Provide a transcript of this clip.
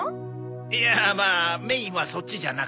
いやまあメインはそっちじゃなくて。